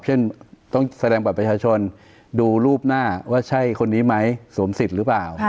เช่นต้องแสดงบัตรประชาชนดูรูปหน้าว่าใช่คนนี้ไหมสวมสิทธิ์หรือเปล่า